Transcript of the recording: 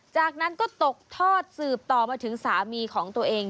จากนั้นก็ตกทอดสืบต่อมาถึงสามีของตัวเอง